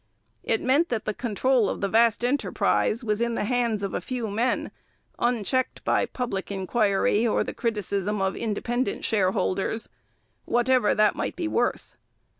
It meant that the control of the vast enterprise was in the hands of a few men, unchecked by public inquiry or the criticism of independent shareholders whatever that might be worth.